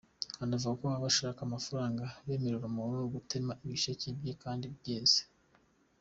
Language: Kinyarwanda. Anavuga ko baba bashaka amafaranga bemerere umuntu gutema ibisheke bye kandi byeze.